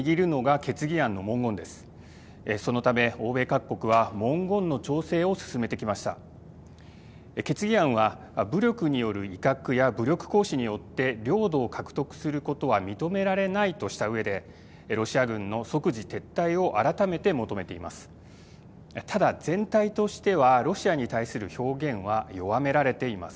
決議案は武力による威嚇や武力行使によって領土を獲得することは認められないとしたうえでロシア軍の即時撤退を改めて求めています。